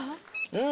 うん！